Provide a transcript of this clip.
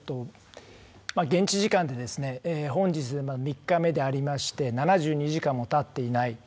現地時間で本日で３日目でありまして、７２時間もたっていない。